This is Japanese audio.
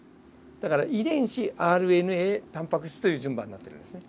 だから遺伝子ＲＮＡタンパク質という順番になってるんですね。